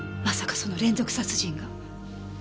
まさかその連続殺人が。